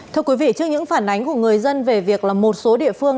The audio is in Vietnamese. thưa quý vị trước những phản ánh của người dân về việc là một số địa phương